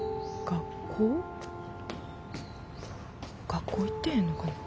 学校行ってへんのかな。